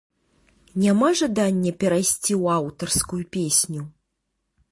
Няма жадання перайсці ў аўтарскую песню?